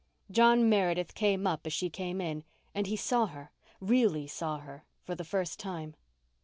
John Meredith stood up as she came in and saw her—really saw her—for the first time.